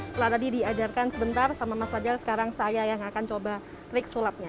setelah tadi diajarkan sebentar sama mas fajar sekarang saya yang akan coba trik sulapnya